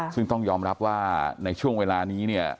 ซึ่งต้องยอมรับว่าในช่วงเวลานี้เนี่ย